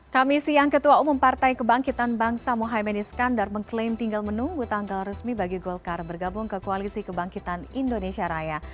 kami siang ketua umum partai kebangkitan bangsa mohaimin iskandar mengklaim tinggal menunggu tanggal resmi bagi golkar bergabung ke koalisi kebangkitan indonesia raya